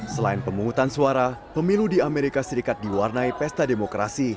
selain pemungutan suara pemilu di amerika serikat diwarnai pesta demokrasi